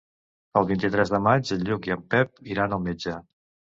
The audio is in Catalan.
El vint-i-tres de maig en Lluc i en Pep iran al metge.